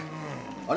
あれ？